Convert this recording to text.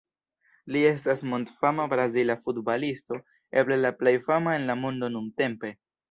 Li estas mondfama Brazila futbalisto, eble la plej fama en la mondo nuntempe.